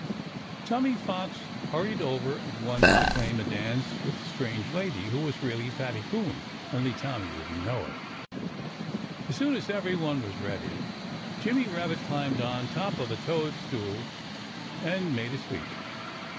Tommy Fox hurried over at once to claim a dance with the strange lady, who was really Fatty Coon only Tommy didn't know it. As soon as everyone was ready, Jimmy Rabbit climbed on top of a toadstool and made a speech.